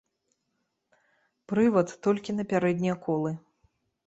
Прывад толькі на пярэднія колы.